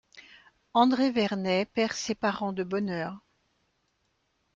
Andrée Vernay perd ses parents de bonne heure.